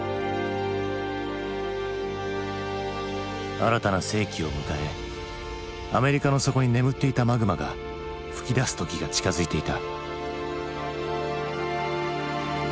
新たな世紀を迎えアメリカの底に眠っていたマグマが噴き出す時が近づいていた。